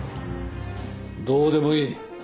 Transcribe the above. どうでもいい。